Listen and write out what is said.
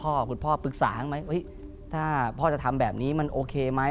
คุณพ่อคุณพ่อปรึกษาไหมถ้าพ่อจะทำแบบนี้มันโอเคไหม